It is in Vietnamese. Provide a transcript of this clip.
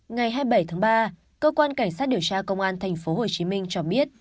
ngày hai mươi bảy tháng ba cơ quan cảnh sát điều tra công an tp hcm cho biết